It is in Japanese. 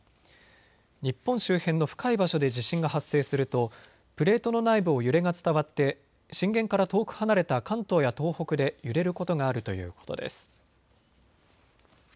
日本周辺の深い場所で地震が発生するとプレートの内部を揺れが伝わって震源から遠く離れた関東や東北で揺れることがあるということです。